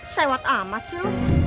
sewat amat sih lu